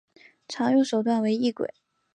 常用手段为异轨。